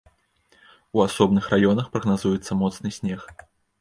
У асобных раёнах прагназуецца моцны снег.